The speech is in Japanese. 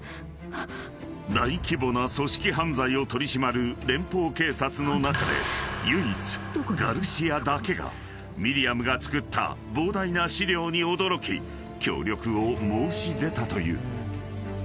［大規模な組織犯罪を取り締まる連邦警察の中で唯一ガルシアだけがミリアムが作った膨大な資料に驚き協力を申し出たという］